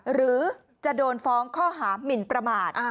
หรือจะโดนฟ้องข้อหามินประมาท